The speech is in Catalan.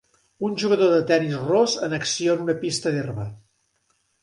Un jugador de tenis ros en acció en una pista d'herba.